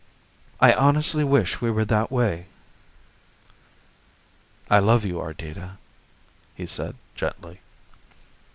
"I honestly wish we were that way." "I love you, Ardita," he said gently.